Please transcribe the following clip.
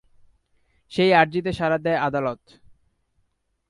সেই আর্জিতে সাড়া দেয় আদালত।